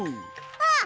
あっ！